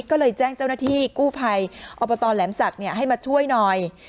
ก็เลยแจ้งเจ้าหน้าที่กู้ภัยอบตแหลมศักดิ์ให้มาช่วยหน่อย